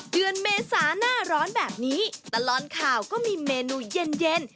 เดือนเมษาหน้าร้อนแบบนี้ตลอดข่าวก็มีเมนูเย็น